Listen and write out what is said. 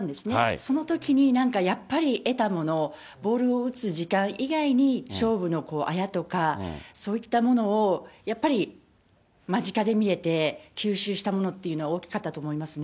そのときにやっぱりなんか得たもの、ボールを打つ時間以外に勝負のあやとか、そういったものをやっぱり間近で見れて、吸収したものというのは大きかったと思いますね。